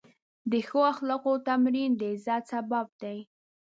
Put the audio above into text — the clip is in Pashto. د ښو اخلاقو تمرین د عزت سبب دی.